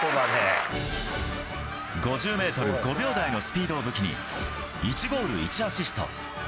５０メートル５秒台のスピードを武器に、１ゴール１アシスト。